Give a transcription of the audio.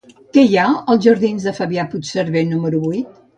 Què hi ha als jardins de Fabià Puigserver número vuit?